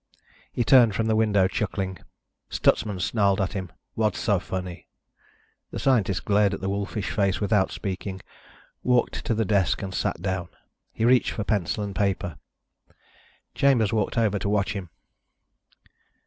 He turned from the window, chuckling. Stutsman snarled at him: "What's so funny?" The scientist glared at the wolfish face and without speaking, walked to the desk and sat down. He reached for pencil and paper. Chambers walked over to watch him.